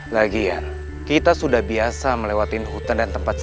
lagian kita sudah biasa melewati hutan dan tempat seram